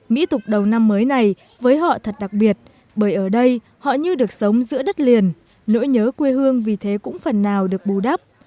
mỹ tục đầu năm mới này với họ thật đặc biệt bởi ở đây họ như được sống giữa đất liền nỗi nhớ quê hương vì thế cũng phần nào được bù đắp